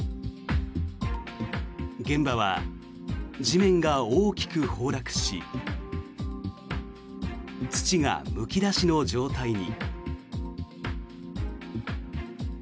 現場は地面が大きく崩落し土がむき出しの状態に。